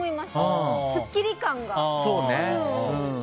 すっきり感が。